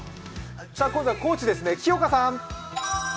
今度は高知ですね、木岡さん。